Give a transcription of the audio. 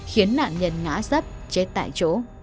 khiến nạn nhân ngã sấp chết tại chỗ